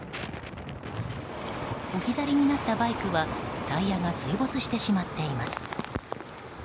置き去りになったバイクはタイヤが水没してしまっています。